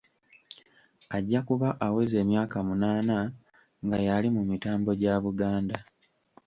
Ajja kuba aweza emyaka munaana nga y’ali mu mitambo gya Buganda